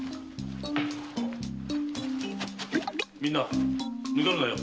みんなぬかるなよ。